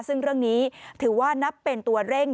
ซึ่งเรื่องนี้ถือว่านับเป็นตัวเร่ง